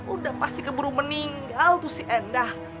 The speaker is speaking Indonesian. udah pasti keburu meninggal tuh si endah